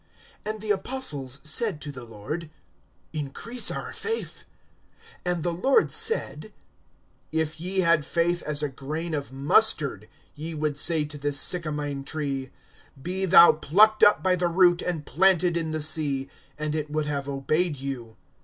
(5)And the apostles said to the Lord: Increase our faith. (6)And the Lord said: If ye had faith as a grain of mustard, ye would say to this sycamine tree, Be thou plucked up by the root, and planted in the sea; and it would have obeyed you.